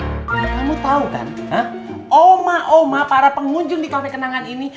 kamu tahu kan oma oma para pengunjung di kafe kenangan ini